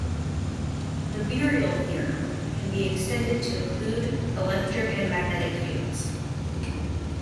The virial theorem can be extended to include electric and magnetic fields.